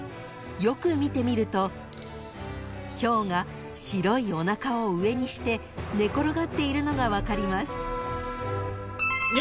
［よく見てみるとヒョウが白いおなかを上にして寝転がっているのが分かります］